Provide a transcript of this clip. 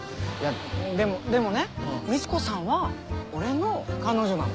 でもでもねみち子さんは俺の彼女なの。